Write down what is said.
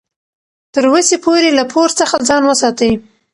تر وسې پورې له پور څخه ځان وساتئ.